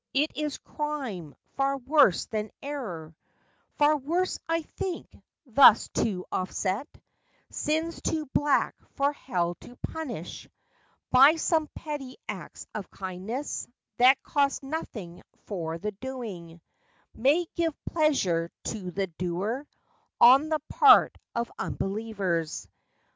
It is crime, far worse than error— Far worse, I think—thus to offset Sins too black for hell to punish By some petty acts of kindness That cost nothing for the doing— May give pleasure to the doer— On the part of unbelievers.